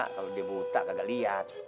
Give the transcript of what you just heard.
kalo dia buta kagak liat